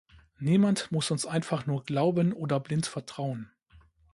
Niemand muss uns einfach nur glauben oder blind vertrauen.